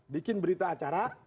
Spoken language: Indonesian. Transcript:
bikin berita acara